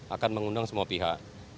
akan mengundang semua pihak